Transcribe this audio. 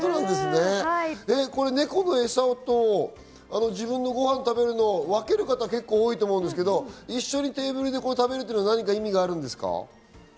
猫の餌と自分のご飯を食べるのを分ける方が多いと思うんですけど一緒にテーブルで食べるのには意味があるんですか？